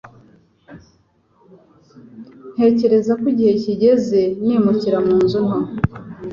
Ntekereza ko igihe kigeze nimukira mu nzu nto.